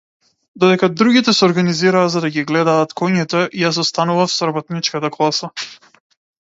Додека другите се организираа за да ги гледаат коњите, јас останував со работничката класа.